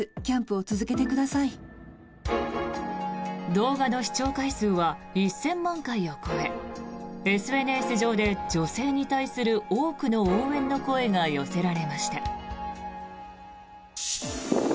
動画の視聴回数は１０００万回を超えＳＮＳ上で女性に対する多くの応援の声が寄せられました。